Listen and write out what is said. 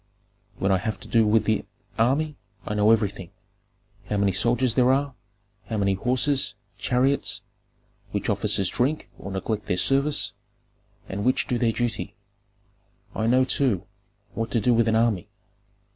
"When I have to do with the army, I know everything, how many soldiers there are, how many horses, chariots, which officers drink or neglect their service, and which do their duty. I know, too, what to do with an army.